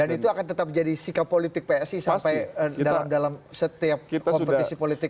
dan itu akan tetap jadi sikap politik psi sampai dalam dalam setiap kompetisi politik